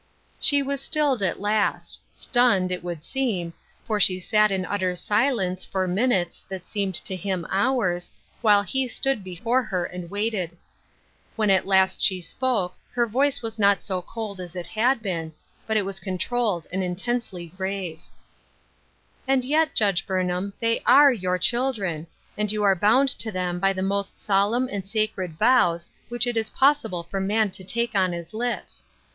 She was stilled at last — stunned, it would seem — for she sat in litter silence for minutes that seemed to him hours, while he stood before her and waited. When at last she spoke, hex voice was not so cold as it had been, but it "v?aa controlled and intensely grave. 264 Ruth Ursklne^s Crosses, " And yet, Judge Burnham, they are youi children, and you are bound to them by the most solemn and sacred vows which it is possible for a man to take on his lips.